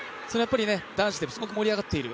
男子でもすごく盛り上がっている。